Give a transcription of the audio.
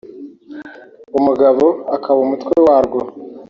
umugabo akaba umutwe warwo